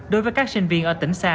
đối với các sinh viên ở tỉnh xa